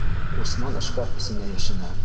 Усман шкаф эсенә йәшенә.